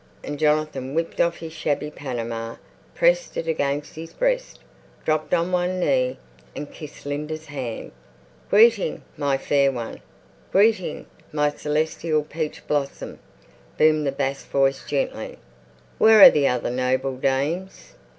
And Jonathan whipped off his shabby panama, pressed it against his breast, dropped on one knee, and kissed Linda's hand. "Greeting, my Fair One! Greeting, my Celestial Peach Blossom!" boomed the bass voice gently. "Where are the other noble dames?"